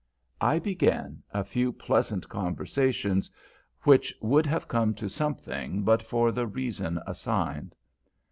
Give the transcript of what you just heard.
I began a few pleasant conversations, which would have come to something but for the reason assigned.